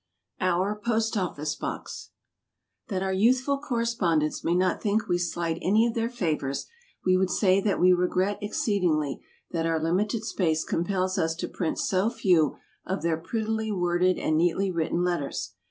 [Illustration: OUR POST OFFICE BOX.] That our youthful correspondents may not think we slight any of their favors, we would say that we regret exceedingly that our limited space compels us to print so few of their prettily worded and neatly written letters.